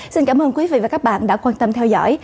xin cảm ơn quý vị và các bạn đã quan tâm theo dõi